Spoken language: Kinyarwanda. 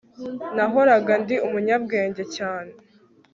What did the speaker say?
Nahoraga ndi umunyabwenge cyane